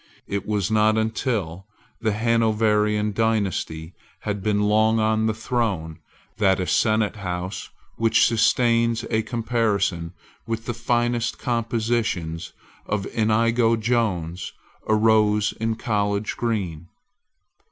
It was not till the Hanoverian dynasty had been long on the throne, that a senate house which sustains a comparison with the finest compositions of Inigo Jones arose in College Green.